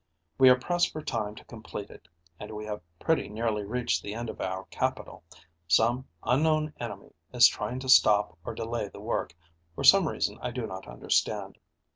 We are pressed for time to complete it, and we have pretty nearly reached the end of our capital. Some unknown enemy is trying to stop or delay the work, for some reason I do not understand.